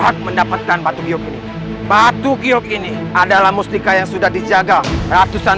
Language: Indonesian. aku akan membuat seluruh kisah dan true love